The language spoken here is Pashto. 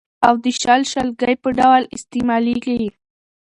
او د شل، شلګي په ډول استعمالېږي.